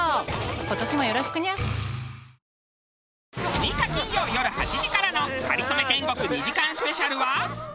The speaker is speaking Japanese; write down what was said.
６日金曜よる８時からの『かりそめ天国』２時間スペシャルは。